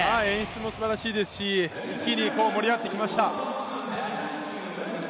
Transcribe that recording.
演出もすばらしいですし、一気に盛り上がってきました。